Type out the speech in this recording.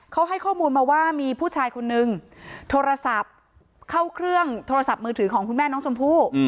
เขาให้ข้อมูลมาว่ามีผู้ชายคนนึงโทรศัพท์เข้าเครื่องโทรศัพท์มือถือของคุณแม่น้องชมพู่